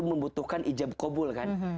membutuhkan ijab qabul kan